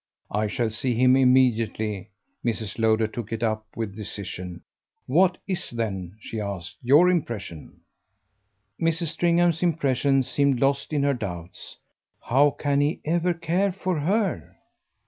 "I shall see him immediately" Mrs. Lowder took it up with decision. "What IS then," she asked, "your impression?" Mrs. Stringham's impression seemed lost in her doubts. "How can he ever care for her?"